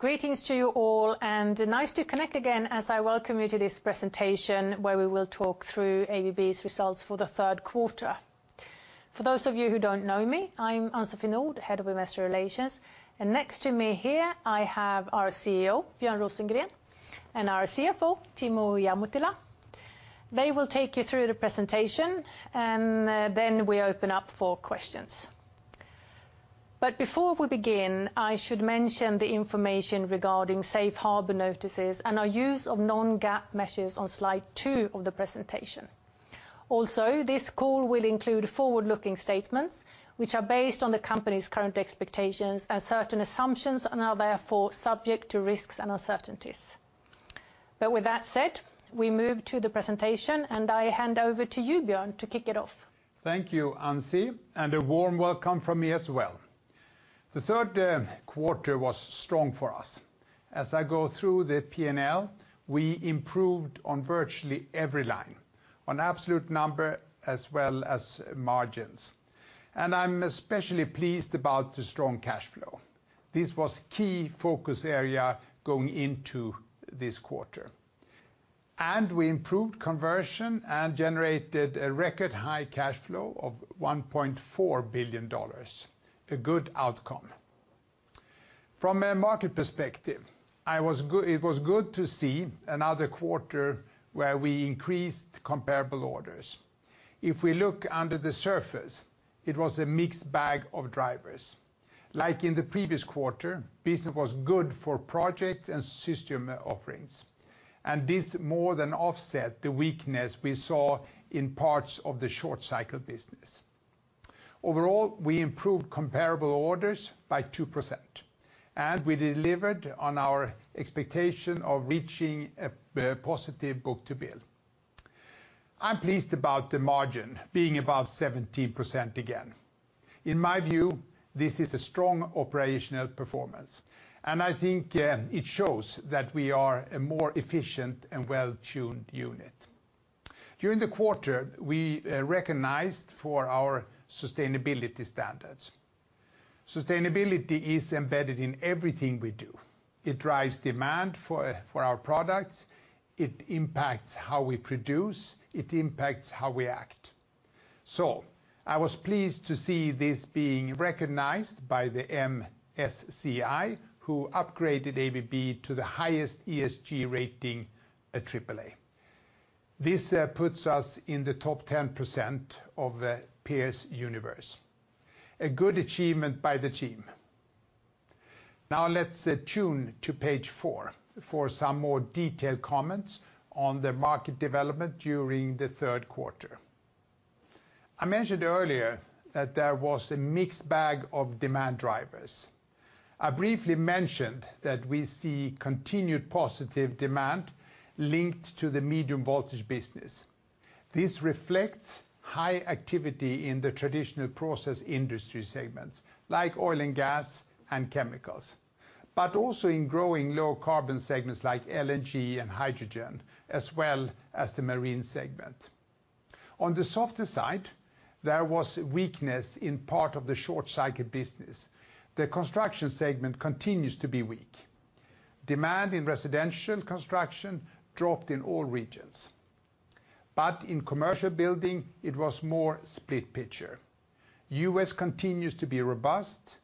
Greetings to you all, and nice to connect again as I welcome you to this presentation, where we will talk through ABB's results for the third quarter. For those of you who don't know me, I'm Ann-Sofie Nordh, head of Investor Relations, and next to me here, I have our CEO, Björn Rosengren, and our CFO, Timo Ihamuotila. They will take you through the presentation, and, then we open up for questions. But before we begin, I should mention the information regarding safe harbor notices and our use of non-GAAP measures on slide two of the presentation. Also, this call will include forward-looking statements, which are based on the company's current expectations and certain assumptions, and are therefore subject to risks and uncertainties. But with that said, we move to the presentation, and I hand over to you, Björn, to kick it off. Thank you, Ancy, and a warm welcome from me as well. The third quarter was strong for us. As I go through the P&L, we improved on virtually every line, on absolute number as well as margins, and I'm especially pleased about the strong cash flow. This was key focus area going into this quarter, and we improved conversion and generated a record-high cash flow of $1.4 billion, a good outcome. From a market perspective, it was good to see another quarter where we increased comparable orders. If we look under the surface, it was a mixed bag of drivers. Like in the previous quarter, business was good for project and system offerings, and this more than offset the weakness we saw in parts of the short cycle business. Overall, we improved comparable orders by 2%, and we delivered on our expectation of reaching a positive book-to-bill. I'm pleased about the margin being above 17% again. In my view, this is a strong operational performance, and I think it shows that we are a more efficient and well-tuned unit. During the quarter, we were recognized for our sustainability standards. Sustainability is embedded in everything we do. It drives demand for our products. It impacts how we produce. It impacts how we act. So I was pleased to see this being recognized by the MSCI, who upgraded ABB to the highest ESG rating, a triple A. This puts us in the top 10% of peers universe, a good achievement by the team. Now, let's turn to page four for some more detailed comments on the market development during the third quarter. I mentioned earlier that there was a mixed bag of demand drivers. I briefly mentioned that we see continued positive demand linked to the medium-voltage business. This reflects high activity in the traditional process industry segments, like oil and gas and chemicals, but also in growing low-carbon segments like LNG and hydrogen, as well as the marine segment. On the softer side, there was weakness in part of the short cycle business. The construction segment continues to be weak. Demand in residential construction dropped in all regions, but in commercial building it was more split picture. U.S. continues to be robust,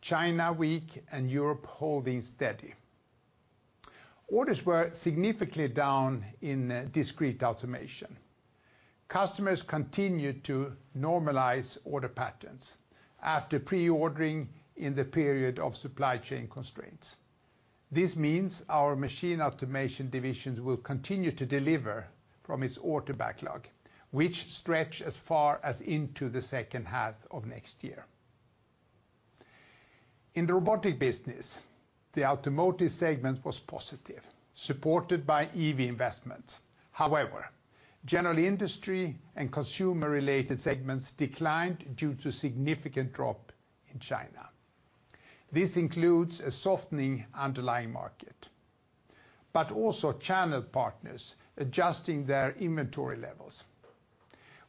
China weak, and Europe holding steady. Orders were significantly down in Discrete Automation. Customers continued to normalize order patterns after pre-ordering in the period of supply chain constraints. This means our Machine Automation divisions will continue to deliver from its order backlog, which stretch as far as into the second half of next year. In the Robotics business, the automotive segment was positive, supported by EV investment. However, general industry and consumer-related segments declined due to significant drop in China. This includes a softening underlying market, but also channel partners adjusting their inventory levels.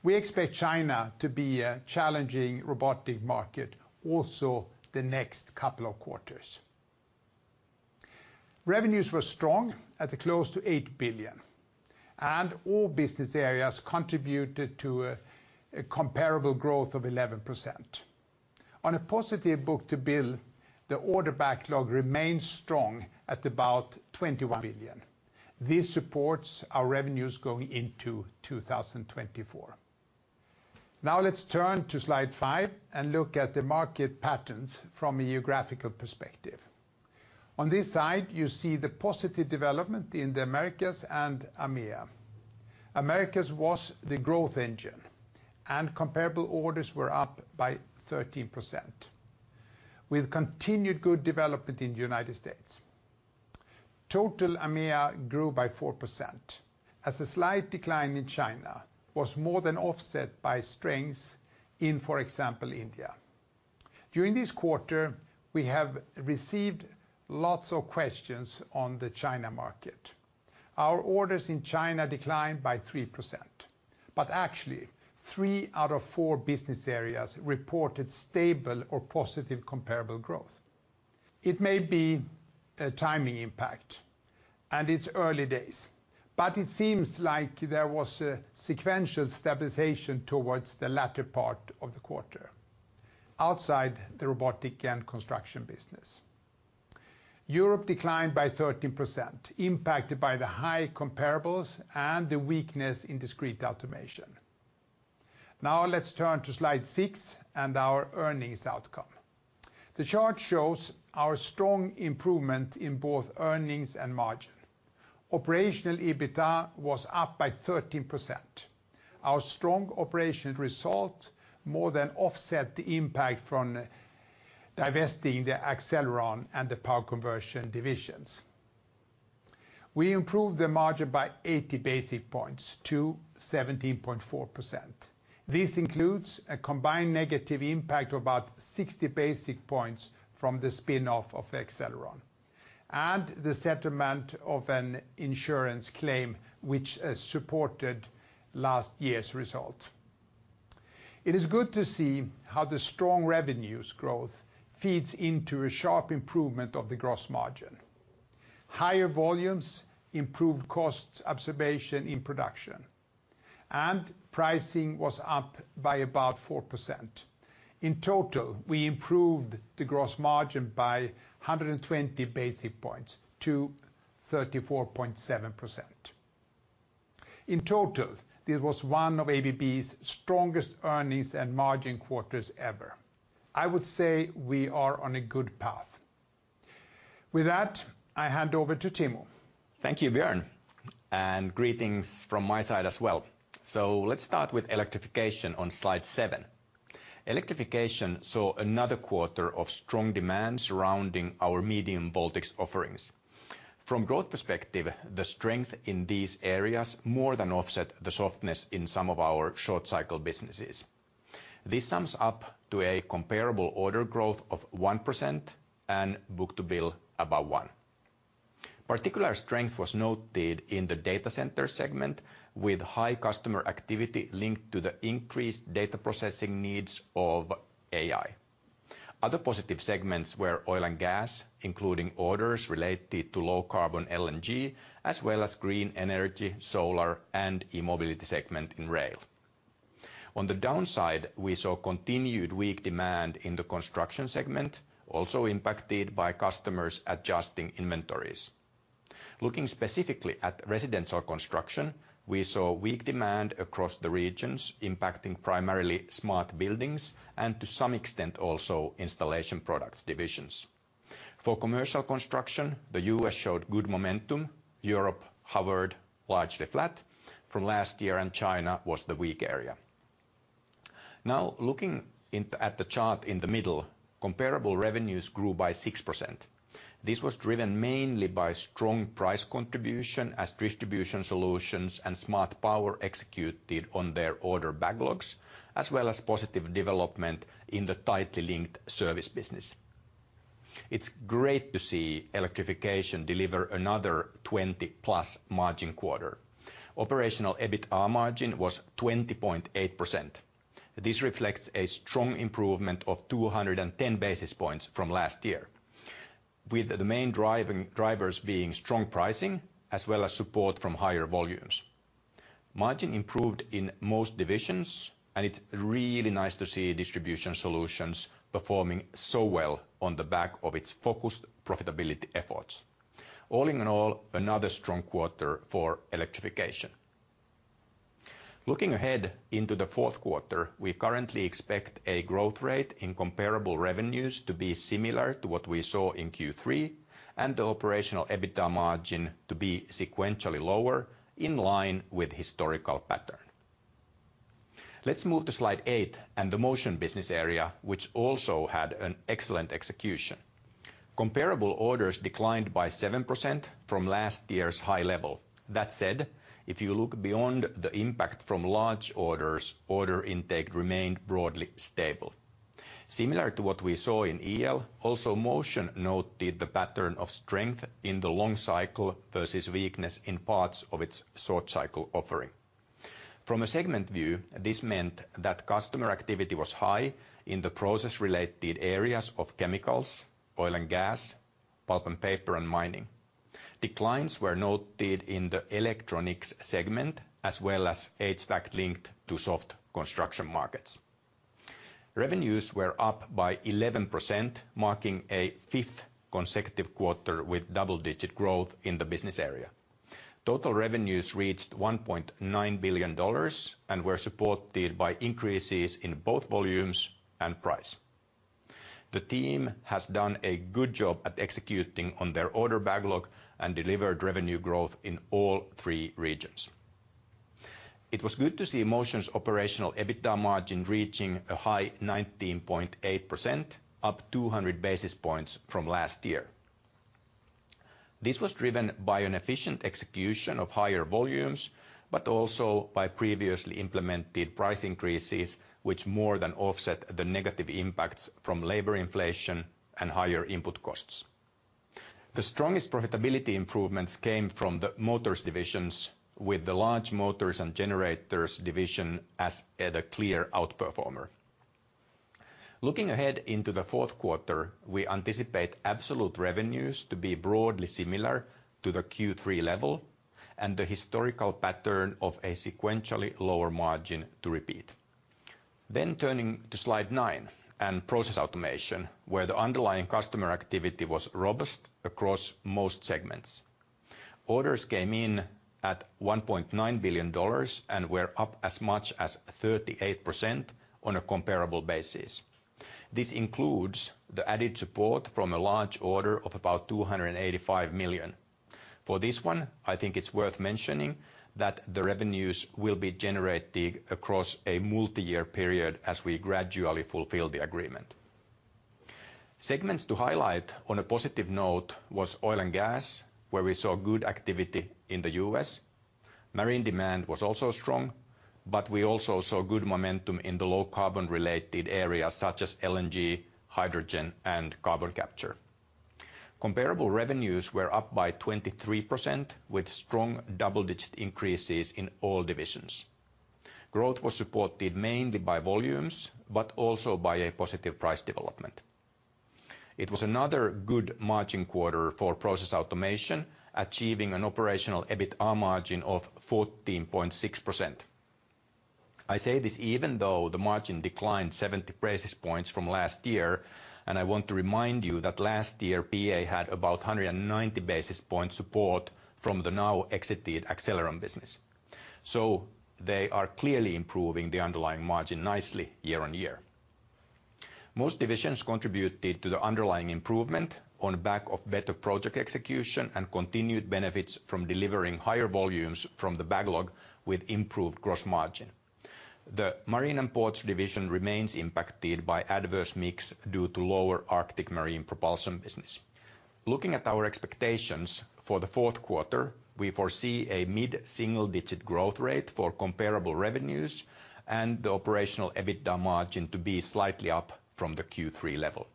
We expect China to be a challenging robotic market also the next couple of quarters. Revenues were strong at close to $8 billion, and all business areas contributed to a comparable growth of 11%. On a positive book-to-bill, the order backlog remains strong at about $21 billion. This supports our revenues going into 2024. Now, let's turn to slide five and look at the market patterns from a geographical perspective. On this side, you see the positive development in the Americas and EMEA. Americas was the growth engine, and comparable orders were up by 13%, with continued good development in the United States. Total EMEA grew by 4%, as a slight decline in China was more than offset by strength in, for example, India. During this quarter, we have received lots of questions on the China market. Our orders in China declined by 3%. But actually, three out of four business areas reported stable or positive comparable growth. It may be a timing impact, and it's early days, but it seems like there was a sequential stabilization towards the latter part of the quarter, outside the Robotics and Construction business. Europe declined by 13%, impacted by the high comparables and the weakness in Discrete Automation. Now let's turn to slide six and our earnings outcome. The chart shows our strong improvement in both earnings and margin. Operational EBITDA was up by 13%. Our strong operational result more than offset the impact from divesting the Accelleron and the Power Conversion divisions. We improved the margin by 80 basis points to 17.4%. This includes a combined negative impact of about 60 basis points from the spin-off of Accelleron, and the settlement of an insurance claim which supported last year's result. It is good to see how the strong revenues growth feeds into a sharp improvement of the gross margin. Higher volumes, improved cost absorption in production, and pricing was up by about 4%. In total, we improved the gross margin by 120 basis points to 34.7%. In total, this was one of ABB's strongest earnings and margin quarters ever. I would say we are on a good path. With that, I hand over to Timo. Thank you, Björn, and greetings from my side as well. So let's start with Electrification on slide seven. Electrification saw another quarter of strong demand surrounding our Medium Voltage offerings. From growth perspective, the strength in these areas more than offset the softness in some of our short cycle businesses. This sums up to a comparable order growth of 1% and book-to-bill above one. Particular strength was noted in the data center segment, with high customer activity linked to the increased data processing needs of AI. Other positive segments were oil and gas, including orders related to low-carbon LNG, as well as green energy, solar, and e-mobility segment in rail. On the downside, we saw continued weak demand in the construction segment, also impacted by customers adjusting inventories. Looking specifically at residential construction, we saw weak demand across the regions, impacting primarily smart buildings and to some extent, also Installation Products divisions. For commercial construction, the U.S. showed good momentum, Europe hovered largely flat from last year, and China was the weak area. Now, looking at the chart in the middle, comparable revenues grew by 6%. This was driven mainly by strong price contribution as Distribution Solutions and smart power executed on their order backlogs, as well as positive development in the tightly linked service business. It's great to see Electrification deliver another 20+ margin quarter. Operational EBIT margin was 20.8%. This reflects a strong improvement of 210 basis points from last year, with the main drivers being strong pricing as well as support from higher volumes. Margin improved in most divisions, and it's really nice to see Distribution Solutions performing so well on the back of its focused profitability efforts. All in all, another strong quarter for Electrification. Looking ahead into the fourth quarter, we currently expect a growth rate in comparable revenues to be similar to what we saw in Q3, and the operational EBITDA margin to be sequentially lower in line with historical pattern. Let's move to slide eight and the Motion business area, which also had an excellent execution. Comparable orders declined by 7% from last year's high level. That said, if you look beyond the impact from large orders, order intake remained broadly stable. Similar to what we saw in EL, also Motion noted the pattern of strength in the long cycle versus weakness in parts of its short cycle offering. From a segment view, this meant that customer activity was high in the process-related areas of chemicals, oil and gas, pulp and paper, and mining. Declines were noted in the electronics segment, as well as HVAC linked to soft construction markets. Revenues were up by 11%, marking a fifth consecutive quarter with double-digit growth in the business area. Total revenues reached $1.9 billion and were supported by increases in both volumes and price. The team has done a good job at executing on their order backlog and delivered revenue growth in all three regions. It was good to see Motion's operational EBITDA margin reaching a high 19.8%, up 200 basis points from last year. This was driven by an efficient execution of higher volumes, but also by previously implemented price increases, which more than offset the negative impacts from labor inflation and higher input costs. The strongest profitability improvements came from the motors divisions, with the Large Motors and Generators division as, the clear outperformer. Looking ahead into the fourth quarter, we anticipate absolute revenues to be broadly similar to the Q3 level and the historical pattern of a sequentially lower margin to repeat. Then turning to slide nine and Process Automation, where the underlying customer activity was robust across most segments. Orders came in at $1.9 billion, and were up as much as 38% on a comparable basis. This includes the added support from a large order of about $285 million. For this one, I think it's worth mentioning that the revenues will be generated across a multi-year period as we gradually fulfill the agreement. Segments to highlight on a positive note was oil and gas, where we saw good activity in the U.S. Marine demand was also strong, but we also saw good momentum in the low carbon-related areas, such as LNG, hydrogen, and carbon capture. Comparable revenues were up by 23%, with strong double-digit increases in all divisions. Growth was supported mainly by volumes, but also by a positive price development. It was another good margin quarter for Process Automation, achieving an operational EBITA margin of 14.6%. I say this even though the margin declined 70 basis points from last year, and I want to remind you that last year, PA had about 190 basis points support from the now exited Accelleron business. So they are clearly improving the underlying margin nicely year-on-year. Most divisions contributed to the underlying improvement on back of better project execution and continued benefits from delivering higher volumes from the backlog with improved gross margin. The Marine & Ports division remains impacted by adverse mix due to lower arctic marine propulsion business. Looking at our expectations for the fourth quarter, we foresee a mid-single-digit growth rate for comparable revenues and the operational EBITDA margin to be slightly up from the Q3 level.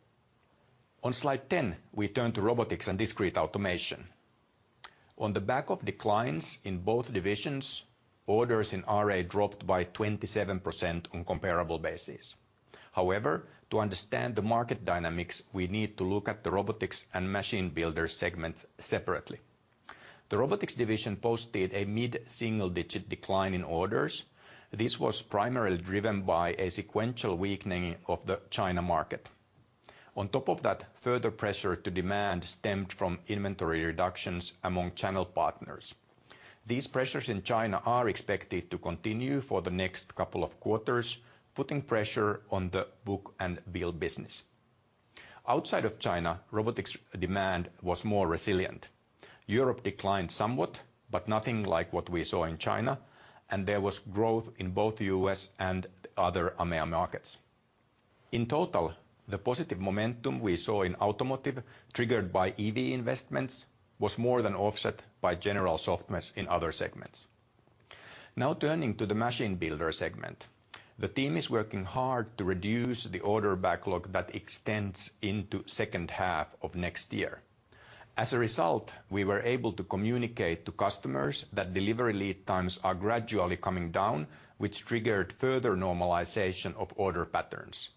On slide 10, we turn to Robotics and Discrete Automation. On the back of declines in both divisions, orders in RA dropped by 27% on comparable basis. However, to understand the market dynamics, we need to look at the Robotics and Machine Builder segments separately. The Robotics division posted a mid-single-digit decline in orders. This was primarily driven by a sequential weakening of the China market. On top of that, further pressure to demand stemmed from inventory reductions among channel partners. These pressures in China are expected to continue for the next couple of quarters, putting pressure on the book and build business. Outside of China, robotics demand was more resilient. Europe declined somewhat, but nothing like what we saw in China, and there was growth in both the U.S. and other EMEA markets. In total, the positive momentum we saw in automotive, triggered by EV investments, was more than offset by general softness in other segments. Now, turning to the machine builder segment, the team is working hard to reduce the order backlog that extends into second half of next year. As a result, we were able to communicate to customers that delivery lead times are gradually coming down, which triggered further normalization of order patterns.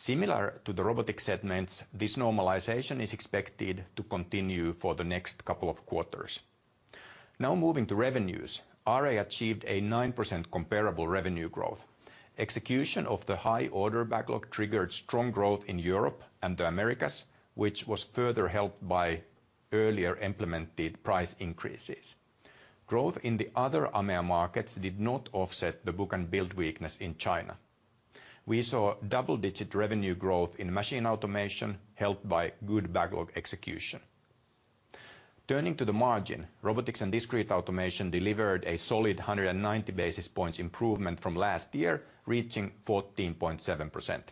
Similar to the robotic segments, this normalization is expected to continue for the next couple of quarters. Now, moving to revenues, RA achieved a 9% comparable revenue growth. Execution of the high order backlog triggered strong growth in Europe and the Americas, which was further helped by earlier implemented price increases. Growth in the other EMEA markets did not offset the book and build weakness in China. We saw double-digit revenue growth in Machine Automation, helped by good backlog execution. Turning to the margin, Robotics and Discrete Automation delivered a solid 190 basis points improvement from last year, reaching 14.7%.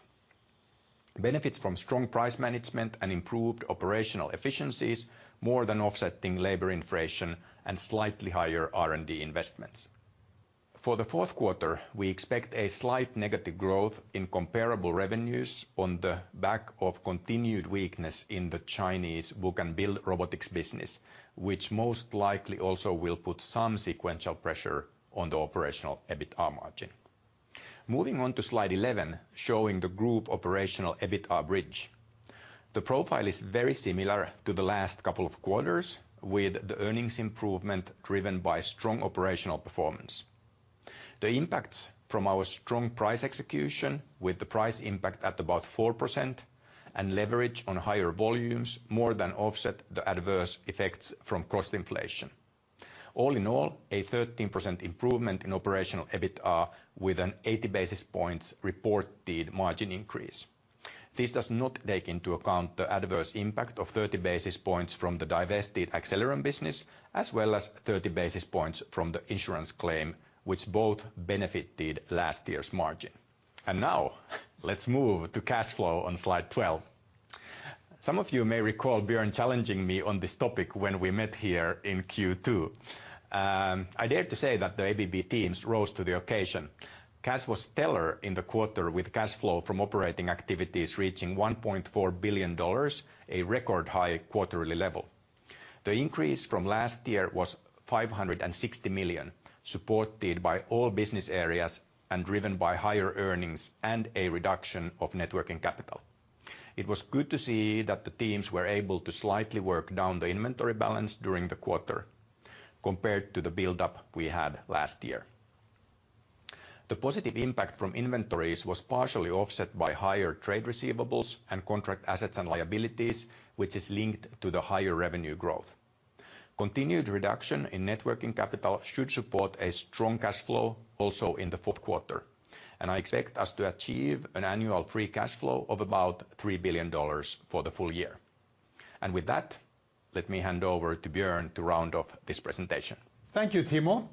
Benefits from strong price management and improved operational efficiencies more than offsetting labor inflation and slightly higher R&D investments. For the fourth quarter, we expect a slight negative growth in comparable revenues on the back of continued weakness in the Chinese book-to-bill Robotics business, which most likely also will put some sequential pressure on the operational EBITA margin. Moving on to slide 11, showing the group operational EBITA bridge. The profile is very similar to the last couple of quarters, with the earnings improvement driven by strong operational performance. The impacts from our strong price execution, with the price impact at about 4% and leverage on higher volumes, more than offset the adverse effects from cost inflation. All in all, a 13% improvement in operational EBITA with an 80 basis points reported margin increase. This does not take into account the adverse impact of 30 basis points from the divested Accelleron business, as well as 30 basis points from the insurance claim, which both benefited last year's margin. Now, let's move to cash flow on slide 12. Some of you may recall Björn challenging me on this topic when we met here in Q2. I dare to say that the ABB teams rose to the occasion. Cash was stellar in the quarter, with cash flow from operating activities reaching $1.4 billion, a record high quarterly level. The increase from last year was $560 million, supported by all business areas and driven by higher earnings and a reduction of net working capital. It was good to see that the teams were able to slightly work down the inventory balance during the quarter compared to the buildup we had last year. The positive impact from inventories was partially offset by higher trade receivables and contract assets and liabilities, which is linked to the higher revenue growth. Continued reduction in net working capital should support a strong cash flow also in the fourth quarter, and I expect us to achieve an annual free cash flow of about $3 billion for the full year. With that, let me hand over to Björn to round off this presentation. Thank you, Timo.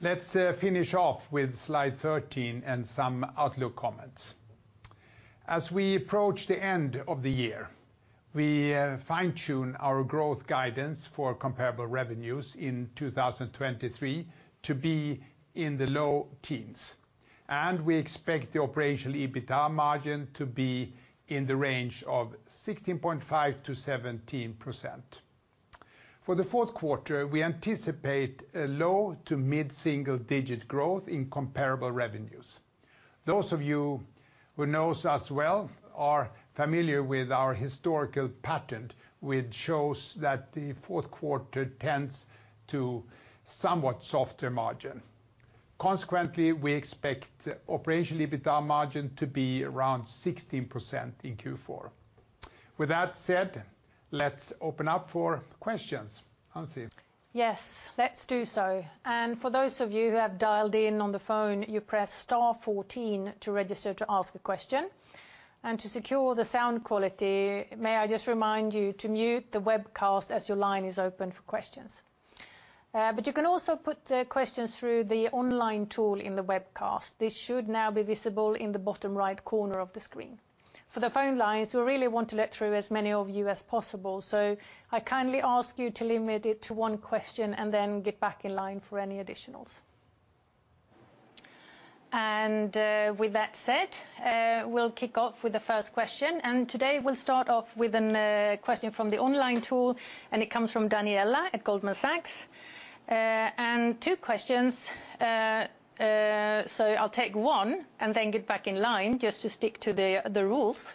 Let's finish off with slide 13 and some outlook comments. As we approach the end of the year, we fine-tune our growth guidance for comparable revenues in 2023 to be in the low teens, and we expect the operational EBITA margin to be in the range of 16.5%-17%. For the fourth quarter, we anticipate a low to mid-single-digit growth in comparable revenues. Those of you who knows us well are familiar with our historical pattern, which shows that the fourth quarter tends to somewhat softer margin. Consequently, we expect operational EBITA margin to be around 16% in Q4. With that said, let's open up for questions. Ancy? Yes, let's do so. For those of you who have dialed in on the phone, you press star fourteen to register to ask a question. To secure the sound quality, may I just remind you to mute the webcast as your line is open for questions. But you can also put questions through the online tool in the webcast. This should now be visible in the bottom right corner of the screen. For the phone lines, we really want to let through as many of you as possible, so I kindly ask you to limit it to one question and then get back in line for any additionals. With that said, we'll kick off with the first question, and today we'll start off with a question from the online tool, and it comes from Daniela at Goldman Sachs. And two questions. So I'll take one and then get back in line, just to stick to the rules.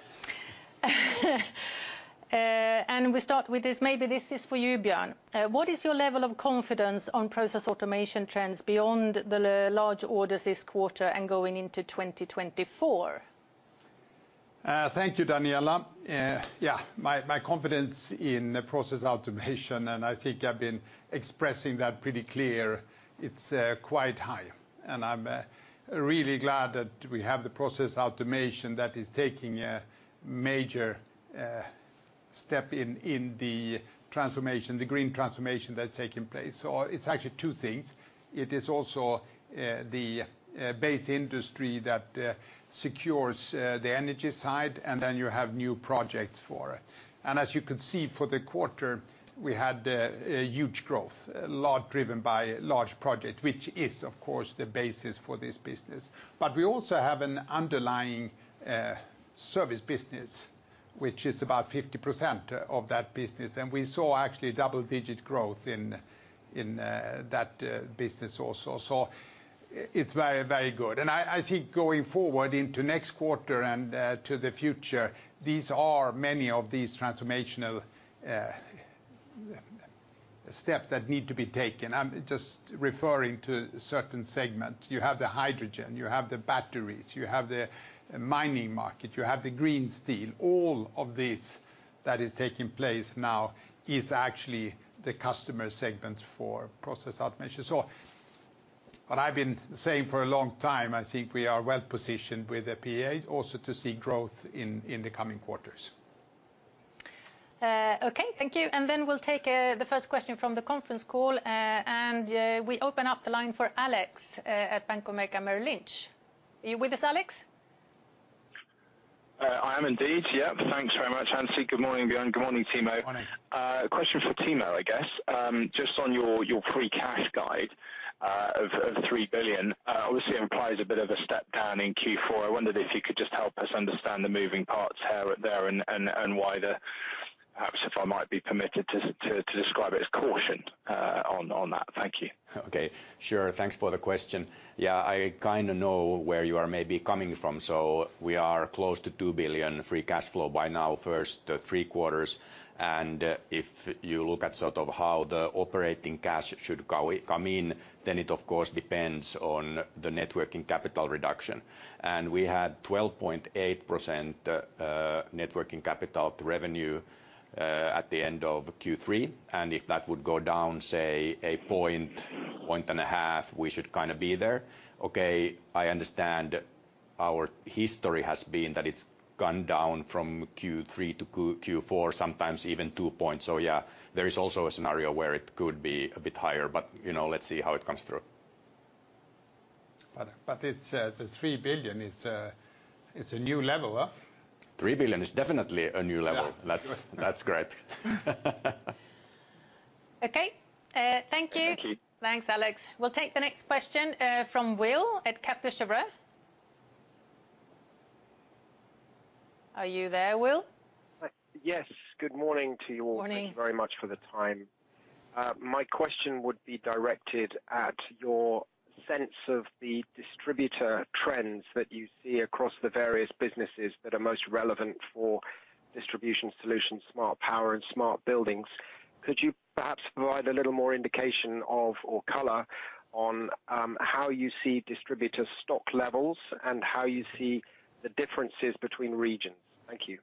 And we start with this, maybe this is for you, Björn. What is your level of confidence on Process Automation trends beyond the large orders this quarter and going into 2024? Thank you, Daniela. Yeah, my confidence in Process Automation, and I think I've been expressing that pretty clear. It's quite high, and I'm really glad that we have the Process Automation that is taking a major step in the transformation, the green transformation that's taking place. So it's actually two things. It is also the base industry that secures the energy side, and then you have new projects for it. As you can see for the quarter, we had a huge growth, a lot driven by large project, which is, of course, the basis for this business. But we also have an underlying service business, which is about 50% of that business, and we saw actually double-digit growth in that business also. So it's very, very good. I think going forward into next quarter and to the future, these are many of these transformational steps that need to be taken. I'm just referring to a certain segment. You have the hydrogen, you have the batteries, you have the mining market, you have the green steel. All of this that is taking place now is actually the customer segment for Process Automation. So what I've been saying for a long time, I think we are well positioned with the PA also to see growth in the coming quarters. Okay, thank you. And then we'll take the first question from the conference call, and we open up the line for Alex at Bank of America Merrill Lynch. Are you with us, Alex? I am indeed, yeah. Thanks very much, Ann-Sofie. Good morning, Björn, good morning, Timo. Morning. A question for Timo, I guess. Just on your free cash guide of $3 billion, obviously it implies a bit of a step down in Q4. I wondered if you could just help us understand the moving parts here, there, and why the... Perhaps if I might be permitted to describe it as caution on that. Thank you. Okay, sure. Thanks for the question. Yeah, I kind of know where you are maybe coming from. So we are close to $2 billion free cash flow by now, first three quarters, and if you look at sort of how the operating cash should come in, then it of course depends on the net working capital reduction. And we had 12.8% net working capital to revenue at the end of Q3, and if that would go down, say, 1-1.5 points, we should kind of be there. Okay, I understand our history has been that it's gone down from Q3 to Q4, sometimes even two points. So yeah, there is also a scenario where it could be a bit higher, but you know, let's see how it comes through. But it's the $3 billion. It's a new level, huh? $3 billion is definitely a new level. Yeah. That's great. Okay, thank you. Thank you. Thanks, Alex. We'll take the next question from Will at Kepler Cheuvreux. Are you there, Will? Hi. Yes, good morning to you all. Morning. Thank you very much for the time. My question would be directed at your sense of the distributor trends that you see across the various businesses that are most relevant for Distribution Solutions, Smart Power, and Smart Buildings. Could you perhaps provide a little more indication of, or color on, how you see distributors' stock levels, and how you see the differences between regions? Thank you.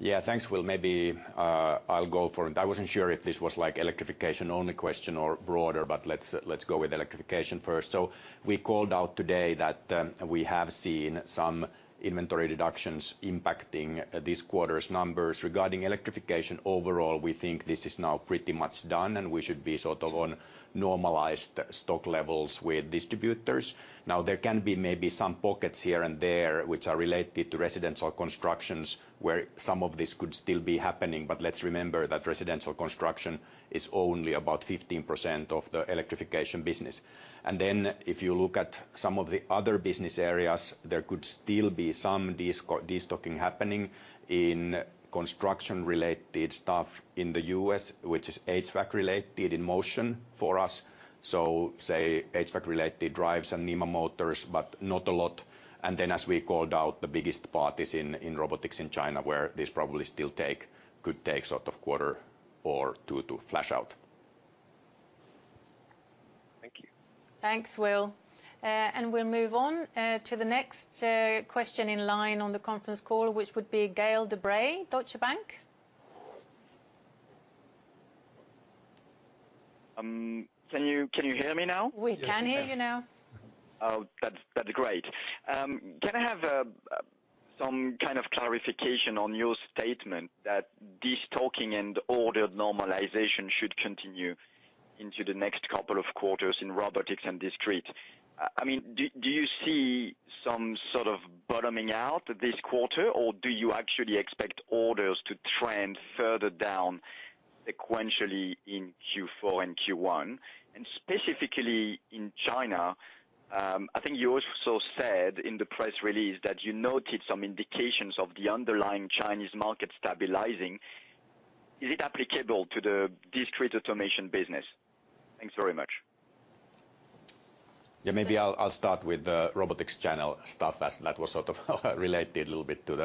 Yeah, thanks, Will. Maybe, I'll go for it. I wasn't sure if this was, like, Electrification-only question or broader, but let's go with Electrification first. So we called out today that we have seen some inventory deductions impacting this quarter's numbers. Regarding Electrification overall, we think this is now pretty much done, and we should be sort of on normalized stock levels with distributors. Now, there can be maybe some pockets here and there which are related to residential constructions, where some of this could still be happening. But let's remember that residential construction is only about 15% of the Electrification business. And then if you look at some of the other business areas, there could still be some destocking happening in construction-related stuff in the U.S., which is HVAC-related in Motion for us, so, say, HVAC-related drives and NEMA motors, but not a lot. Then, as we called out, the biggest part is in robotics in China, where this probably still could take sort of quarter or two to flush out. Thank you. Thanks, Will. We'll move on to the next question in line on the conference call, which would be Gael de-Bray, Deutsche Bank. Can you hear me now? We can hear you now. Oh, that's, that's great. Can I have some kind of clarification on your statement that destocking and ordered normalization should continue into the next couple of quarters in Robotics and Discrete? I mean, do you see some sort of bottoming out this quarter, or do you actually expect orders to trend further down sequentially in Q4 and Q1? And specifically in China, I think you also said in the press release that you noted some indications of the underlying Chinese market stabilizing. Is it applicable to the Discrete Automation business? Thanks very much. Yeah, maybe I'll start with the robotics channel stuff, as that was sort of related a little bit to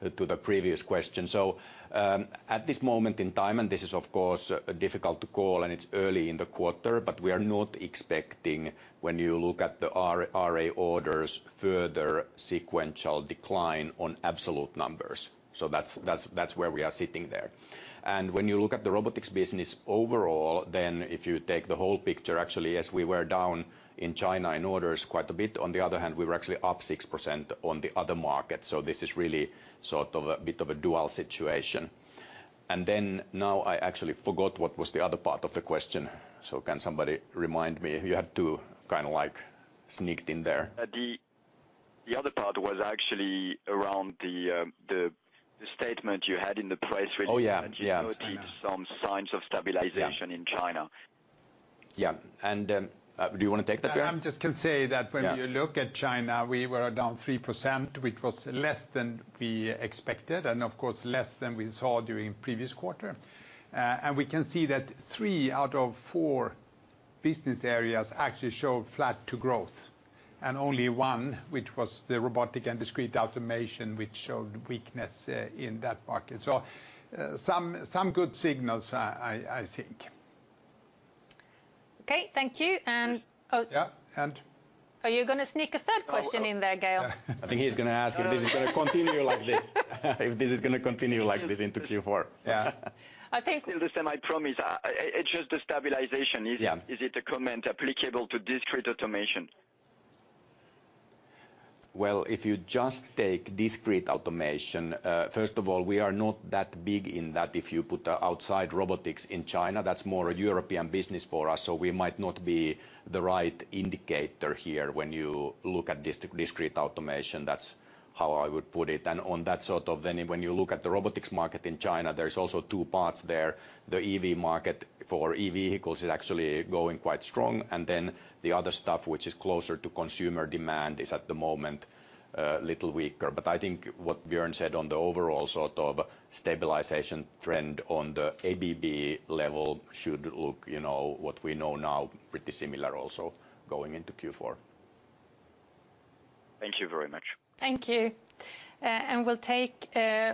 the previous question. So, at this moment in time, and this is, of course, difficult to call, and it's early in the quarter, but we are not expecting, when you look at the RA orders, further sequential decline on absolute numbers. So that's where we are sitting there. And when you look at the Robotics business overall, then if you take the whole picture, actually, yes, we were down in China in orders quite a bit. On the other hand, we were actually up 6% on the other market, so this is really sort of a bit of a dual situation. And then now I actually forgot what was the other part of the question, so can somebody remind me? You had two kind of, like, sneaked in there. The other part was actually around the statement you had in the press release. Oh, yeah, yeah. Noted some signs of stabilization. Yeah... in China. Yeah, and, do you wanna take that, Björn? I just can say that. Yeah When you look at China, we were down 3%, which was less than we expected and, of course, less than we saw during previous quarter. And we can see that three out of four business areas actually showed flat to growth, and only one, which was the Robotics and Discrete Automation, which showed weakness in that market. So, some good signals, I think. Okay, thank you. Yeah, and? Are you gonna sneak a third question in there, Gail? I think he's gonna ask if this is gonna continue like this. If this is gonna continue like this into Q4. Yeah. I think-... Listen, I promise, it's just the stabilization. Yeah. Is it a comment applicable to Discrete Automation? Well, if you just take Discrete Automation, first of all, we are not that big in that. If you put outside robotics in China, that's more a European business for us, so we might not be the right indicator here when you look at Discrete Automation. That's how I would put it. And on that sort of, then when you look at the robotics market in China, there's also two parts there. The EV market for EV vehicles is actually going quite strong, and then the other stuff, which is closer to consumer demand, is, at the moment, little weaker. But I think what Björn said on the overall sort of stabilization trend on the ABB level should look, you know, what we know now, pretty similar also going into Q4. Thank you very much. Thank you. We'll take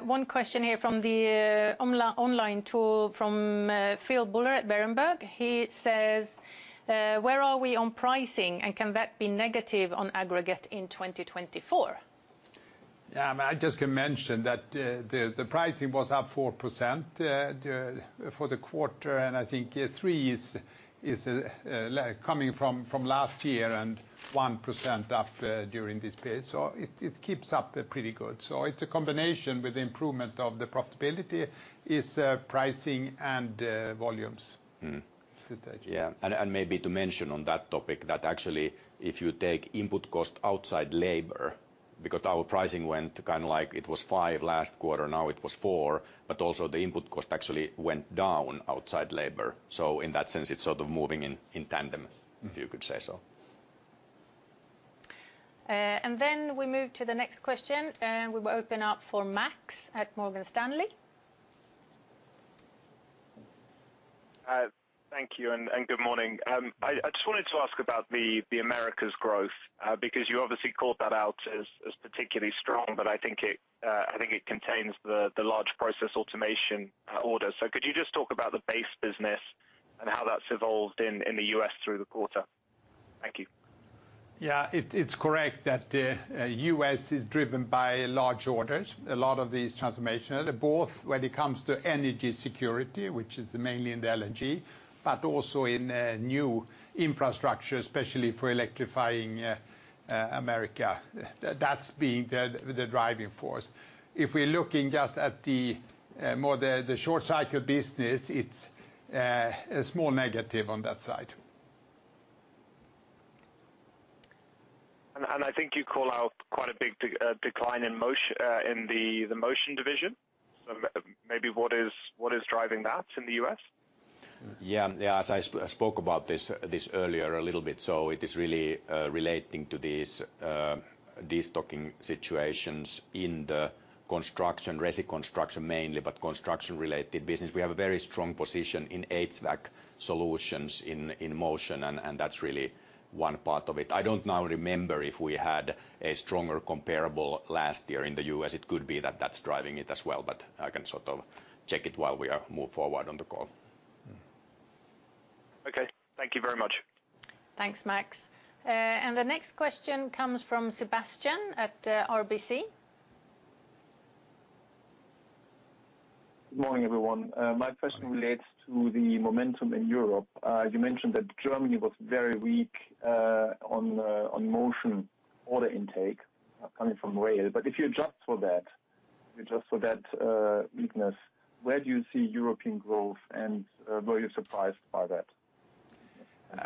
one question here from the online tool from Phil Buller at Berenberg. He says, Where are we on pricing, and can that be negative on aggregate in 2024? Yeah, I just can mention that the pricing was up 4% for the quarter, and I think 3% is like coming from last year, and 1% up during this period. So it keeps up pretty good. So it's a combination with the improvement of the profitability is pricing and volumes. Mm. Good idea. Yeah, and maybe to mention on that topic, that actually if you take input cost outside labor, because our pricing went kind of like it was five last quarter, now it was four, but also the input cost actually went down outside labor. So in that sense, it's sort of moving in tandem- Mm... if you could say so.... and then we move to the next question, and we will open up for Max at Morgan Stanley. Thank you, and good morning. I just wanted to ask about the Americas growth, because you obviously called that out as particularly strong, but I think it contains the large Process Automation order. So could you just talk about the base business and how that's evolved in the U.S. through the quarter? Thank you. Yeah, it's correct that U.S. is driven by large orders. A lot of these transformational, both when it comes to energy security, which is mainly in the LNG, but also in new infrastructure, especially for electrifying America. That's been the driving force. If we're looking just at the more short cycle business, it's a small negative on that side. And I think you call out quite a big decline in the Motion division. So maybe what is driving that in the U.S.? Yeah, yeah, as I spoke about this earlier a little bit, so it is really relating to these destocking situations in the construction, resi construction mainly, but construction-related business. We have a very strong position in HVAC solutions in Motion, and that's really one part of it. I don't now remember if we had a stronger comparable last year in the US. It could be that that's driving it as well, but I can sort of check it while we move forward on the call. Okay. Thank you very much. Thanks, Max. And the next question comes from Sebastian at RBC. Good morning, everyone. My question relates to the momentum in Europe. You mentioned that Germany was very weak on Motion order intake coming from rail, but if you adjust for that weakness, where do you see European growth, and were you surprised by that?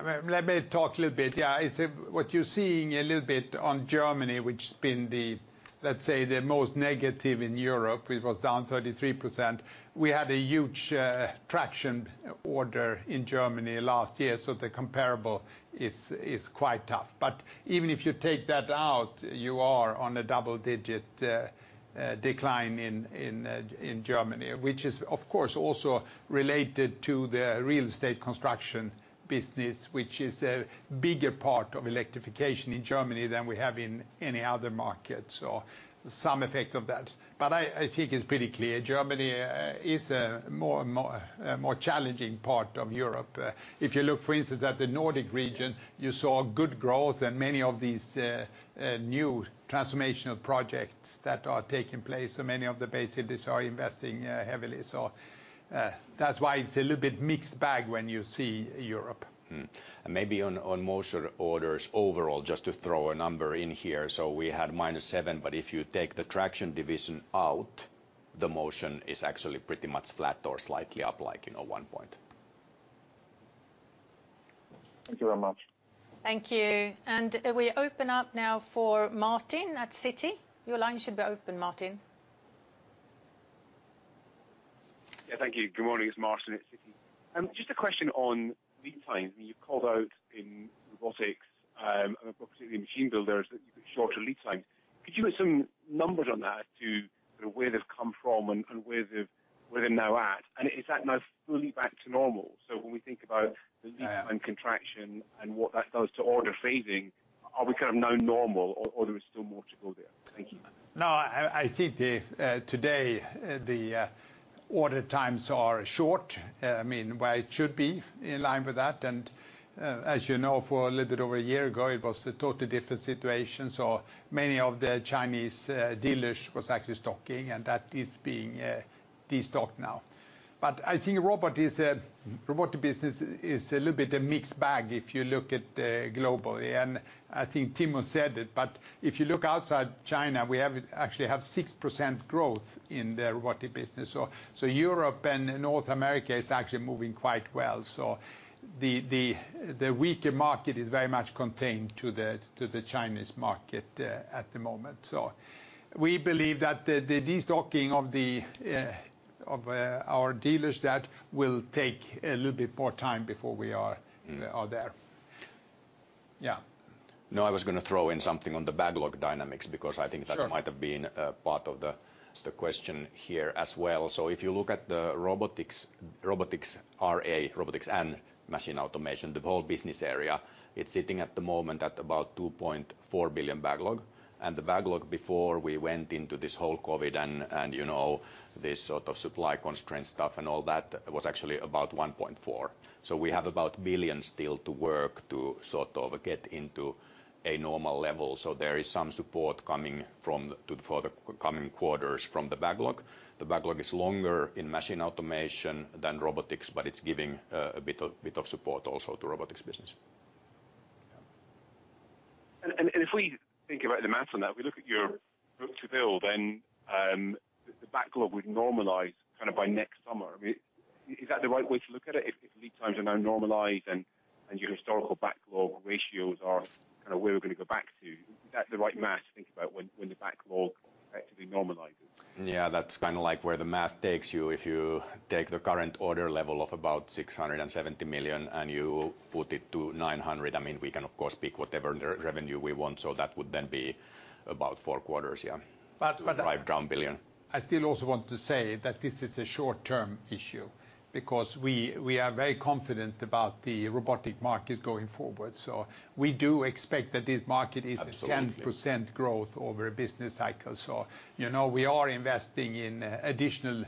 Let me talk a little bit. Yeah, it's... What you're seeing a little bit on Germany, which has been the, let's say, the most negative in Europe, it was down 33%. We had a huge Traction order in Germany last year, so the comparable is quite tough. But even if you take that out, you are on a double-digit decline in Germany, which is, of course, also related to the real estate construction business, which is a bigger part of Electrification in Germany than we have in any other market, so some effect of that. But I think it's pretty clear, Germany is a more challenging part of Europe. If you look, for instance, at the Nordic region, you saw good growth and many of these new transformational projects that are taking place, so many of the basic industries are investing heavily. So, that's why it's a little bit mixed bag when you see Europe. And maybe on Motion orders overall, just to throw a number in here, so we had -7%, but if you take the Traction division out, the Motion is actually pretty much flat or slightly up, like, you know, 1%. Thank you very much. Thank you. We open up now for Martin at Citi. Your line should be open, Martin. Yeah, thank you. Good morning, it's Martin at Citi. Just a question on lead time. When you called out in Robotics, and approximately machine builders, that you've got shorter lead times. Could you give some numbers on that as to where they've come from and, and where they've, where they're now at? And is that now fully back to normal? So when we think about the lead time contraction and what that does to order phasing, are we kind of now normal or, or there is still more to go there? Thank you. No, I think the order times are short. I mean, where it should be in line with that. And as you know, for a little bit over a year ago, it was a totally different situation. So many of the Chinese dealers was actually stocking, and that is being destocked now. But I think Robotic business is a little bit a mixed bag if you look at globally. And I think Timo said it, but if you look outside China, we actually have 6% growth in the Robotic business. So Europe and North America is actually moving quite well. So the weaker market is very much contained to the Chinese market at the moment. So we believe that the destocking of our dealers that will take a little bit more time before we are- Hmm... are there. Yeah. No, I was going to throw in something on the backlog dynamics, because I think- Sure... that might have been part of the, the question here as well. So if you look at the Robotics, Robotics, RA, Robotics and Machine Automation, the whole business area, it's sitting at the moment at about $2.4 billion backlog. And the backlog before we went into this whole COVID and, and, you know, this sort of supply constraint stuff and all that, was actually about $1.4 billion. So we have about billion still to work to sort of get into a normal level. So there is some support coming from, to, for the coming quarters from the backlog. The backlog is longer in Machine Automation than Robotics, but it's giving a bit of, bit of support also to Robotics business. If we think about the math on that, we look at your book-to-bill, and the backlog would normalize kind of by next summer. I mean, is that the right way to look at it, if lead times are now normalized and your historical backlog ratios are kind of where we're going to go back to? Is that the right math to think about when the backlog effectively normalizes? Yeah, that's kind of like where the math takes you. If you take the current order level of about $670 million, and you put it to $900 million, I mean, we can, of course, pick whatever revenue we want, so that would then be about four quarters, yeah. But, but- $5 billion. I still also want to say that this is a short-term issue, because we are very confident about the robotic market going forward. So we do expect that this market is- Absolutely 10% growth over a business cycle. So, you know, we are investing in additional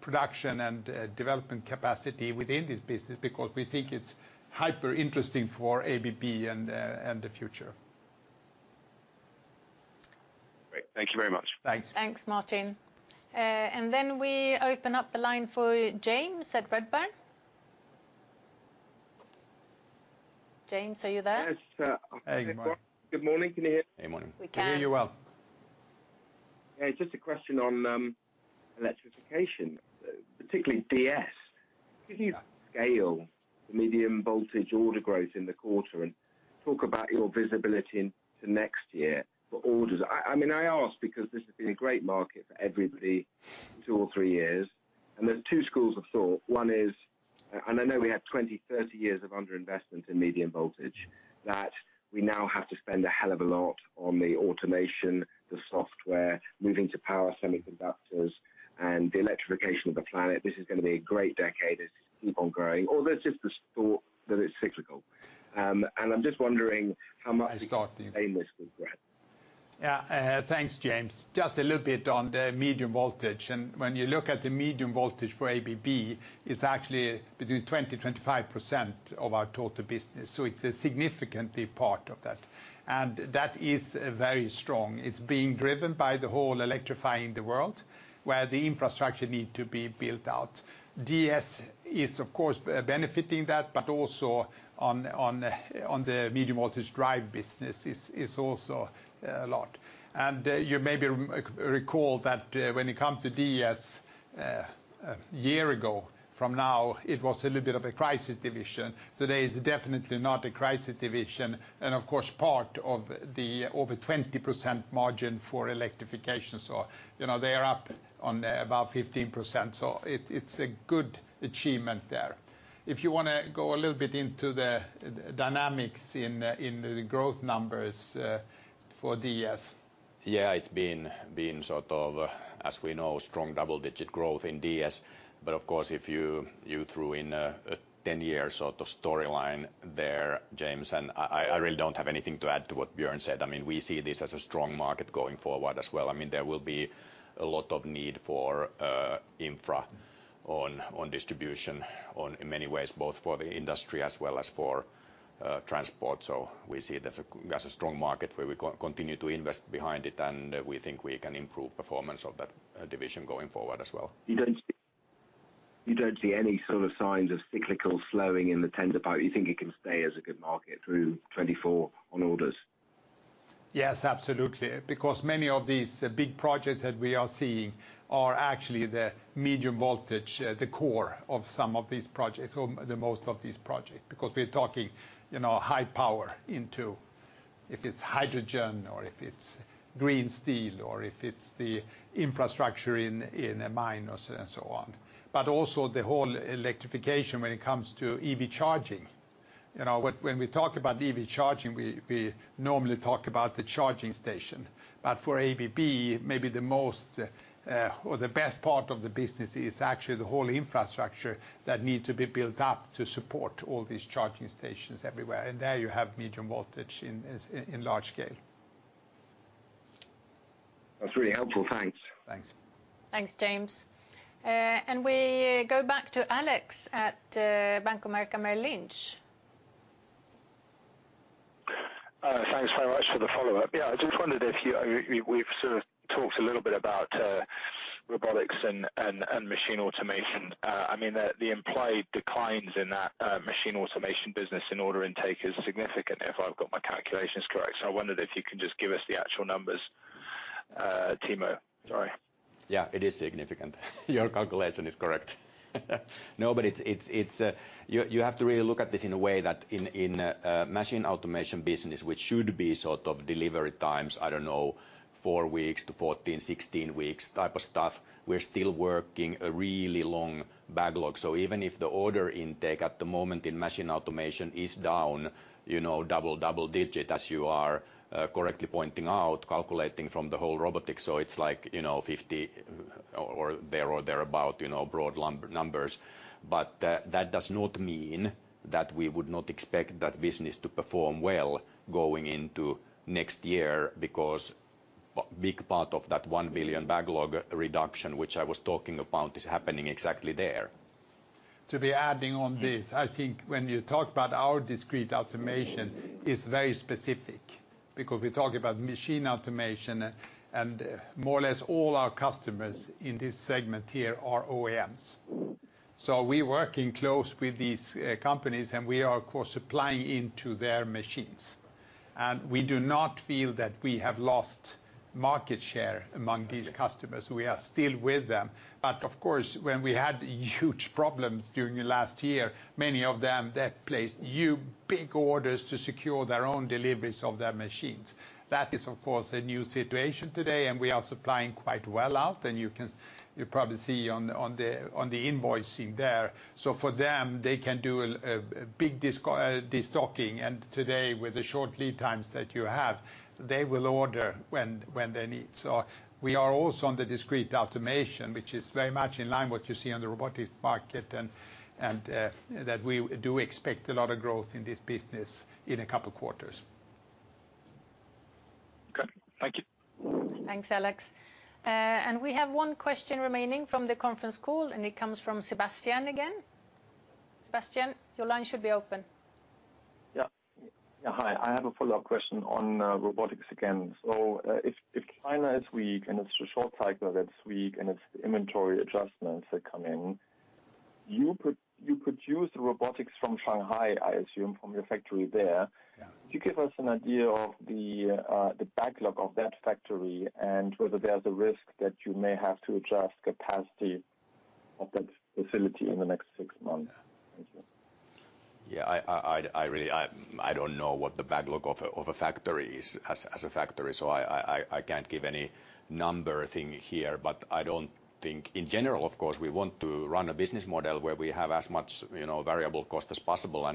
production and development capacity within this business because we think it's hyper interesting for ABB and the future. Great. Thank you very much. Thanks. Thanks, Martin. Then we open up the line for James at Redburn. James, are you there? Yes, uh- Hey, morning. Good morning. Can you hear? Hey, morning. We can. We hear you well. Hey, just a question on Electrification, particularly DS. Can you scale the Medium Voltage order growth in the quarter, and talk about your visibility into next year for orders? I mean, I ask because this has been a great market for everybody two or three years, and there's two schools of thought. One is, and I know we had 20, 30 years of underinvestment in Medium Voltage, that we now have to spend a hell of a lot on the automation, the software, moving to power semiconductors, and the Electrification of the planet. This is gonna be a great decade as it keep on growing, or this is the thought that it's cyclical. And I'm just wondering how much- I start You can say this with growth? Yeah, thanks, James. Just a little bit on the Medium Voltage, and when you look at the Medium Voltage for ABB, it's actually between 20-25% of our total business, so it's a significantly part of that. And that is very strong. It's being driven by the whole electrifying the world, where the infrastructure need to be built out. DS is, of course, benefiting that, but also on the Medium Voltage drive business is also a lot. And you maybe recall that, when it come to DS, a year ago from now, it was a little bit of a crisis division. Today, it's definitely not a crisis division, and of course, part of the over 20% margin for Electrification. So, you know, they are up on about 15%, so it, it's a good achievement there. If you wanna go a little bit into the dynamics in the growth numbers for DS. Yeah, it's been sort of, as we know, strong double-digit growth in DS, but of course, if you threw in a 10-year sort of storyline there, James, and I really don't have anything to add to what Björn said. I mean, we see this as a strong market going forward as well. I mean, there will be a lot of need for infra on distribution, in many ways, both for the industry as well as for transport. So we see it as a strong market where we continue to invest behind it, and we think we can improve performance of that division going forward as well. You don't see, you don't see any sort of signs of cyclical slowing in the tender part? You think it can stay as a good market through 2024 on orders? Yes, absolutely, because many of these big projects that we are seeing are actually the Medium Voltage, the core of some of these projects, or the most of these projects. Because we're talking, you know, high power into... If it's hydrogen, or if it's green steel, or if it's the infrastructure in a mine or so and so on. But also, the whole Electrification when it comes to EV charging. You know, when we talk about EV charging, we normally talk about the charging station. But for ABB, maybe the most, or the best part of the business is actually the whole infrastructure that need to be built up to support all these charging stations everywhere, and there you have Medium Voltage in, as, in large scale. That's really helpful. Thanks. Thanks. Thanks, James. We go back to Alex at Bank of America Merrill Lynch. Thanks very much for the follow-up. I just wondered if you, we've sort of talked a little bit about Robotics and machine Automation. I mean, the implied declines in that Machine Automation business in order intake is significant, if I've got my calculations correct. So I wondered if you can just give us the actual numbers, Timo. Sorry. Yeah, it is significant. Your calculation is correct. No, but it's you have to really look at this in a way that in Machine Automation business, which should be sort of delivery times, I don't know, four weeks to 14, 16 weeks type of stuff, we're still working a really long backlog. So even if the order intake at the moment in Machine Automation is down, you know, double digit, as you are correctly pointing out, calculating from the whole robotics, so it's like, you know, 50 or thereabouts, you know, broad numbers. But that does not mean that we would not expect that business to perform well going into next year, because a big part of that $1 billion backlog reduction, which I was talking about, is happening exactly there. To be adding on this, I think when you talk about our Discrete Automation, it's very specific, because we talk about Machine Automation, and more or less all our customers in this segment here are OEMs. So we're working close with these companies, and we are, of course, supplying into their machines. And we do not feel that we have lost market share among these customers. We are still with them. But of course, when we had huge problems during the last year, many of them, they placed new big orders to secure their own deliveries of their machines. That is, of course, a new situation today, and we are supplying quite well out, and you probably see on the invoicing there. So for them, they can do a big destocking, and today, with the short lead times that you have, they will order when they need. So we are also on the Discrete Automation, which is very much in line what you see on the robotics market, and that we do expect a lot of growth in this business in a couple quarters. Good. Thank you. Thanks, Alex. We have one question remaining from the conference call, and it comes from Sebastian again. Sebastian, your line should be open. Yeah. Yeah, hi, I have a follow-up question on Robotics again. So, if China is weak, and it's a short cycle that's weak, and it's inventory adjustments that come in, you produce robotics from Shanghai, I assume, from your factory there. Yeah. Could you give us an idea of the backlog of that factory and whether there's a risk that you may have to adjust capacity of that facility in the next six months? Thank you. Yeah, I really don't know what the backlog of a factory is as a factory, so I can't give any number thing here. But I don't think... In general, of course, we want to run a business model where we have as much, you know, variable cost as possible,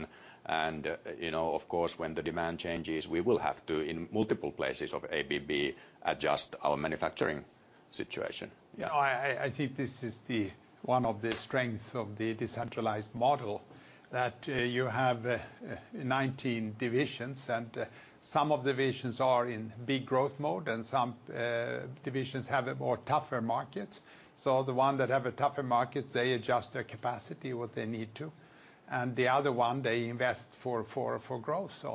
and, you know, of course, when the demand changes, we will have to, in multiple places of ABB, adjust our manufacturing situation. Yeah, I think this is one of the strengths of the decentralized model, that you have 19 divisions, and some of the divisions are in big growth mode, and some divisions have a more tougher market. So the one that have a tougher market, they adjust their capacity what they need to, and the other one, they invest for growth.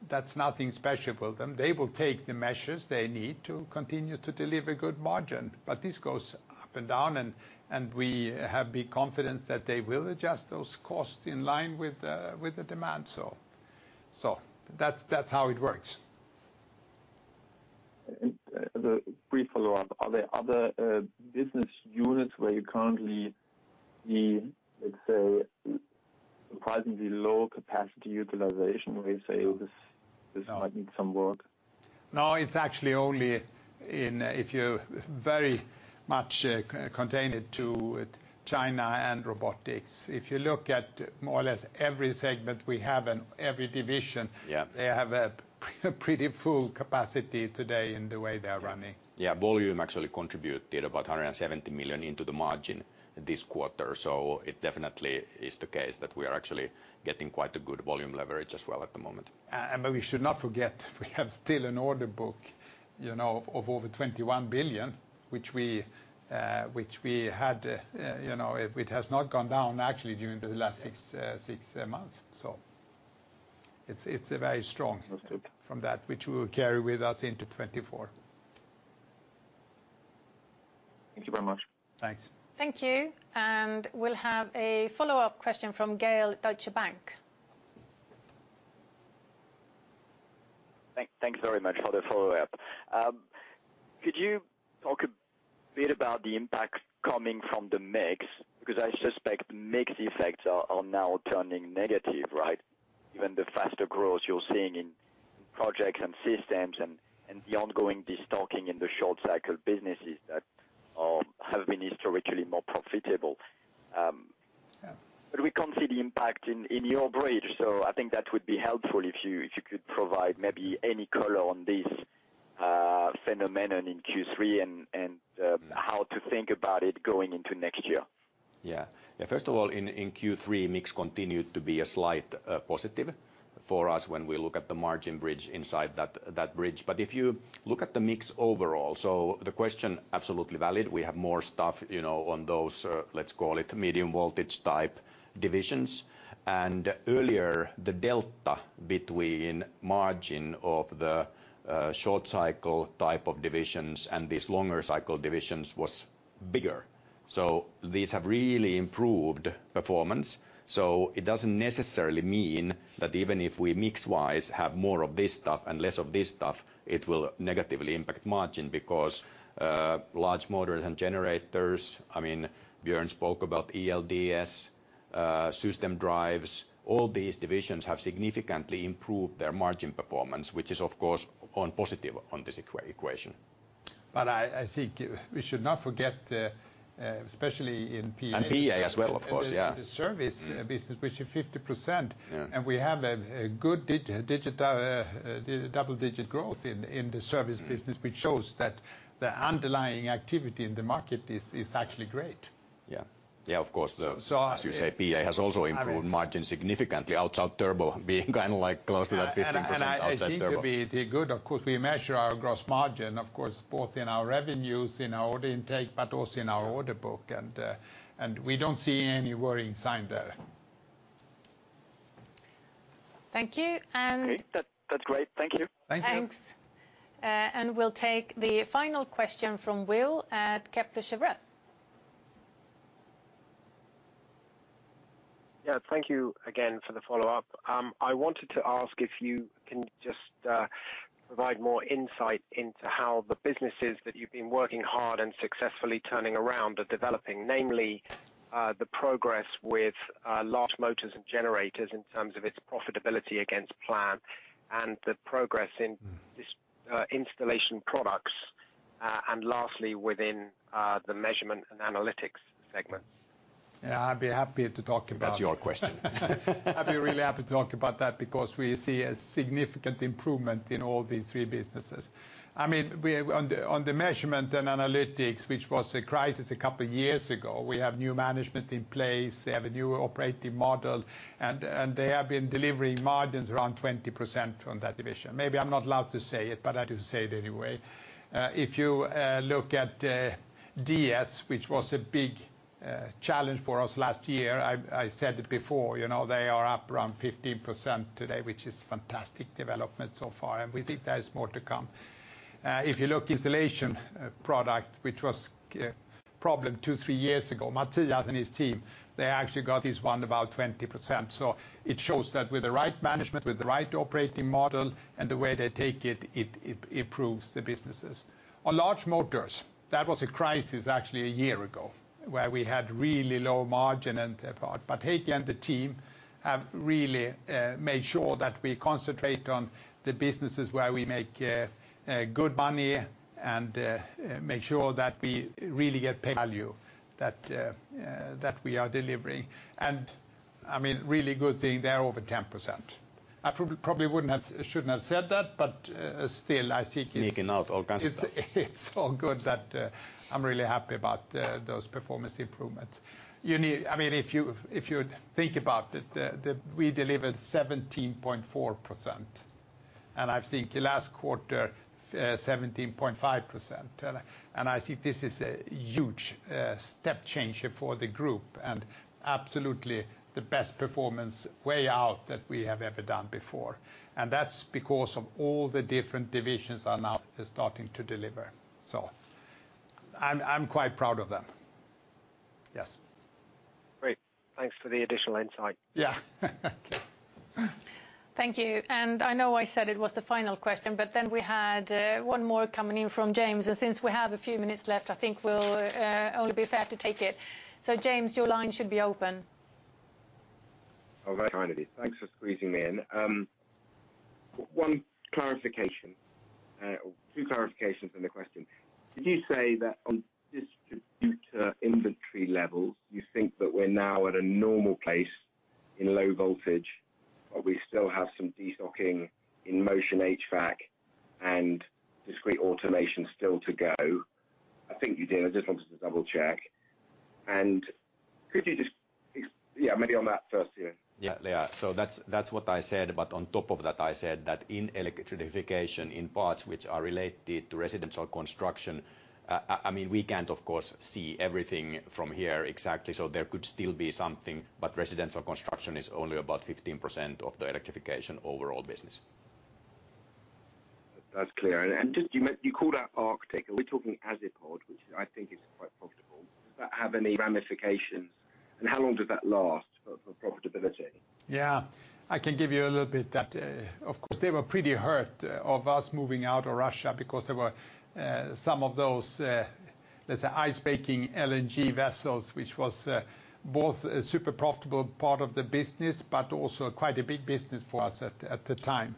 So that's nothing special with them. They will take the measures they need to continue to deliver good margin, but this goes up and down, and we have big confidence that they will adjust those costs in line with the demand. So that's how it works. The brief follow-up, are there other business units where you currently see, let's say, surprisingly low capacity utilization, where you say, "Oh, this, this might need some work? No, it's actually only in if you very much contain it to China and robotics. If you look at more or less every segment we have and every division- Yeah... they have a pretty full capacity today in the way they're running. Yeah, volume actually contributed about $170 million into the margin this quarter, so it definitely is the case that we are actually getting quite a good volume leverage as well at the moment. But we should not forget, we have still an order book, you know, of over $21 billion, which we had, you know, it has not gone down actually during the last six months. So it's a very strong- Okay... from that, which we will carry with us into 2024. Thank you very much. Thanks. Thank you, and we'll have a follow-up question from Gael, Deutsche Bank. Thanks very much for the follow-up. Could you talk a bit about the impact coming from the mix? Because I suspect the mix effects are now turning negative, right? Even the faster growth you're seeing in projects and systems and the ongoing destocking in the short cycle businesses that have been historically more profitable. Yeah... But we can't see the impact in your bridge, so I think that would be helpful if you if you could provide maybe any color on this phenomenon in Q3 and how to think about it going into next year. Yeah. Yeah, first of all, in Q3, mix continued to be a slight positive for us when we look at the margin bridge inside that bridge. But if you look at the mix overall, so the question, absolutely valid. We have more stuff, you know, on those, let's call it medium-voltage type divisions. And earlier, the delta between margin of the short cycle type of divisions and these longer cycle divisions was bigger. So these have really improved performance. So it doesn't necessarily mean that even if we mix-wise have more of this stuff and less of this stuff, it will negatively impact margin because Large Motors and Generators, I mean, Björn spoke about ELDS, System Drives, all these divisions have significantly improved their margin performance, which is, of course, on positive on this equation. But I think we should not forget, especially in PA- PA as well, of course, yeah... In the service business, which is 50%. Yeah. We have a good double-digit growth in the service business- Mm... which shows that the underlying activity in the market is actually great. Yeah. Yeah, of course, the- So I- As you say, PA has also improved- I mean... margin significantly, outside turbo being kind of like close to that 50% outside turbo. I think it'll be too good, of course, we measure our gross margin, of course, both in our revenues, in our order intake, but also in our order book, and we don't see any worrying sign there. Thank you, and- Okay, that, that's great. Thank you. Thank you. Thanks. We'll take the final question from Will at Kepler Cheuvreux. Yeah, thank you again for the follow-up. I wanted to ask if you can just provide more insight into how the businesses that you've been working hard and successfully turning around are developing, namely the progress with Large Motors and Generators, in terms of its profitability against plan, and the progress in this Installation Products. And lastly, within the Measurement and Analytics segment. Yeah, I'd be happy to talk about- That's your question. I'd be really happy to talk about that, because we see a significant improvement in all these three businesses. I mean, on the Measurement and Analytics, which was a crisis a couple years ago, we have new management in place, they have a new operating model, and they have been delivering margins around 20% on that division. Maybe I'm not allowed to say it, but I do say it anyway. If you look at DS, which was a big challenge for us last year, I said it before, you know, they are up around 15% today, which is fantastic development so far, and we think there is more to come. If you look at Installation Product, which was a problem two, three years ago, Matthias and his team, they actually got this one about 20%. So it shows that with the right management, with the right operating model, and the way they take it, it improves the businesses. On Large Motors, that was a crisis actually a year ago, where we had really low margin. But Heikki and the team have really made sure that we concentrate on the businesses where we make good money, and make sure that we really get value, that we are delivering. And I mean, really good thing, they're over 10%. I probably wouldn't have, shouldn't have said that, but still, I think it's- Sneaking out all kinds of stuff. It's all good that I'm really happy about those performance improvements. I mean, if you think about it, we delivered 17.4%, and I think the last quarter 17.5%. And I think this is a huge step change for the group, and absolutely the best performance, way out, that we have ever done before, and that's because all the different divisions are now starting to deliver. So I'm quite proud of them. Yes. Great. Thanks for the additional insight. Yeah. Thank you, and I know I said it was the final question, but then we had one more coming in from James, and since we have a few minutes left, I think we'll only be fair to take it. So James, your line should be open. Oh, very kindly. Thanks for squeezing me in. One clarification, two clarifications and a question. Did you say that on distributor inventory levels, you think that we're now at a normal place in low voltage, but we still have some destocking in Motion HVAC, and discrete automation still to go? I think you did, I just wanted to double check. And could you just yeah, maybe on that first year. Yeah, so that's, that's what I said, but on top of that, I said that in Electrification, in parts which are related to residential construction, I mean, we can't, of course, see everything from here exactly, so there could still be something, but residential construction is only about 15% of the Electrification overall business. That's clear. And just, you called out Arctic, are we talking Azipod, which I think is quite profitable, but have any ramifications, and how long does that last for profitability? Yeah, I can give you a little bit that, of course, they were pretty hurt of us moving out of Russia, because there were, some of those, let's say, ice-breaking LNG vessels, which was, both a super profitable part of the business, but also quite a big business for us at, at the time.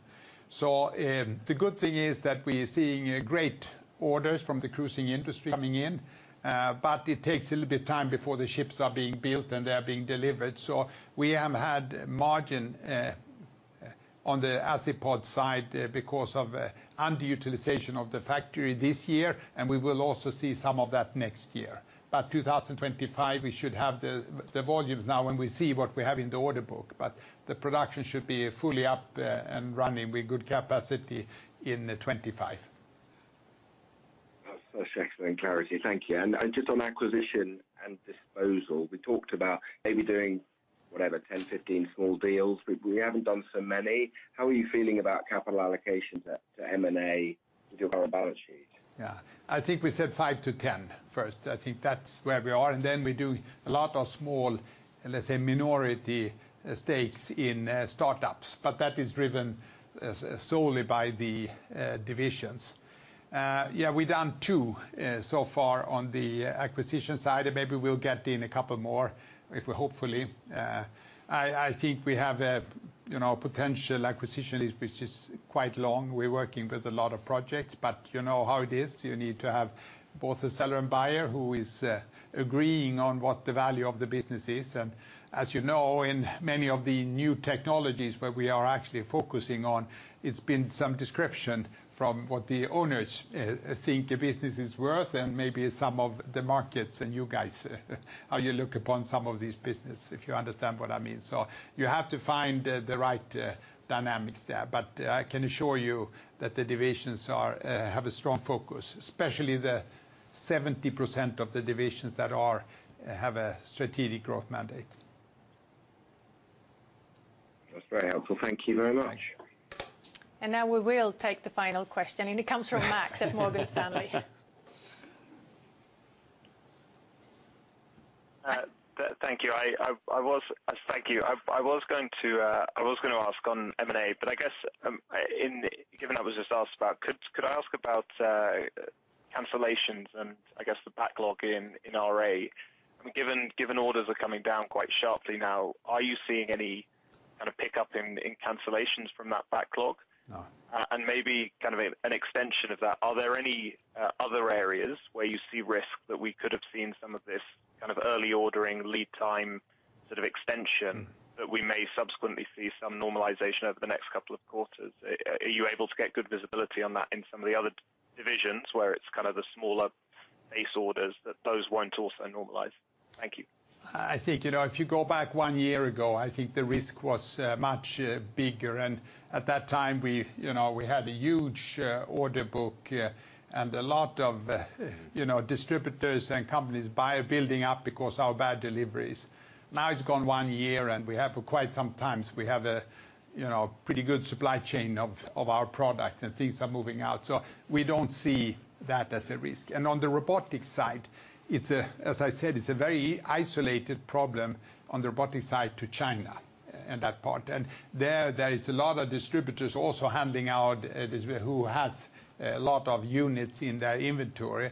So, the good thing is that we are seeing great orders from the cruising industry coming in, but it takes a little bit of time before the ships are being built and they are being delivered. So we have had margin, on the Azipod side because of, underutilization of the factory this year, and we will also see some of that next year. But 2025, we should have the volumes now, and we see what we have in the order book, but the production should be fully up and running with good capacity in 2025. That's excellent clarity. Thank you. And just on acquisition and disposal, we talked about maybe doing, whatever, 10, 15 small deals. We haven't done so many. How are you feeling about capital allocations at, to M&A with your balance sheet? Yeah, I think we said 5-10, first. I think that's where we are, and then we do a lot of small, let's say, minority stakes in startups, but that is driven solely by the divisions. Yeah, we've done two so far on the acquisition side, and maybe we'll get in a couple more, if we hopefully... I think we have a, you know, potential acquisition which is quite long. We're working with a lot of projects, but you know how it is, you need to have both the seller and buyer who is agreeing on what the value of the business is, and as you know, in many of the new technologies where we are actually focusing on, it's been some description from what the owners think the business is worth, and maybe some of the markets, and you guys, how you look upon some of these business, if you understand what I mean. So you have to find the right dynamics there. But I can assure you that the divisions are have a strong focus, especially the 70% of the divisions that are have a strategic growth mandate. That's very helpful. Thank you very much. Now we will take the final question, and it comes from Max at Morgan Stanley.... Thank you. I was thank you. I was going to ask on M&A, but I guess, given I was just asked about, could I ask about cancellations and I guess the backlog in RA? Given orders are coming down quite sharply now, are you seeing any kind of pickup in cancellations from that backlog? No. And maybe kind of a, an extension of that, are there any, other areas where you see risk that we could have seen some of this kind of early ordering, lead time, sort of extension, that we may subsequently see some normalization over the next couple of quarters? Are you able to get good visibility on that in some of the other divisions, where it's kind of the smaller base orders, that those won't also normalize? Thank you. I think, you know, if you go back one year ago, I think the risk was much bigger, and at that time we, you know, we had a huge order book, and a lot of, you know, distributors and companies building up because our bad deliveries. Now, it's gone one year, and we have for quite some times we have a, you know, pretty good supply chain of our product, and things are moving out. So we don't see that as a risk. And on the robotics side, it's, as I said, a very isolated problem on the robotics side to China, and that part. And there, there is a lot of distributors also handing out who has a lot of units in their inventory.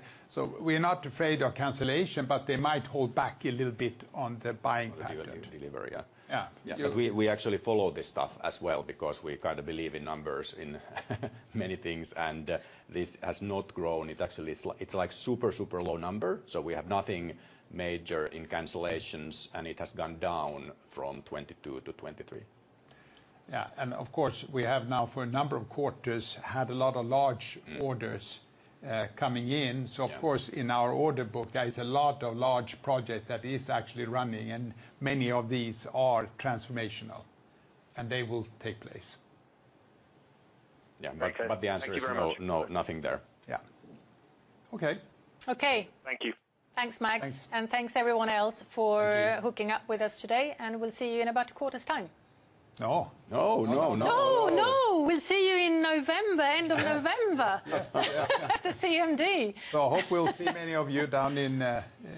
We're not afraid of cancellation, but they might hold back a little bit on the buying pattern. Delivery, yeah. Yeah. Yeah. We, we actually follow this stuff as well, because we kind of believe in numbers in many things, and this has not grown. It's actually it's like super, super low number, so we have nothing major in cancellations, and it has gone down from 2022 to 2023. Yeah, and of course we have now, for a number of quarters, had a lot of large- Mm. Orders coming in. Yeah. Of course, in our order book, there is a lot of large project that is actually running, and many of these are transformational, and they will take place. Yeah. Okay. But the answer is no. Thank you very much. No, nothing there. Yeah. Okay. Okay. Thank you. Thanks, Max. Thanks. Thanks everyone else- Thank you For hooking up with us today, and we'll see you in about a quarter's time. No! No, no, no. No, no, we'll see you in November, end of November. Yes. Yes. At the CMD. So I hope we'll see many of you down in,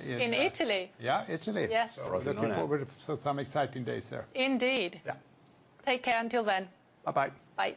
in- In Italy. Yeah, Italy. Yes. Looking forward to some exciting days there. Indeed. Yeah. Take care until then. Bye-bye. Bye.